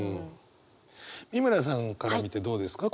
美村さんから見てどうですか？